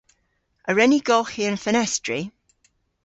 A wren ni golghi an fenestri?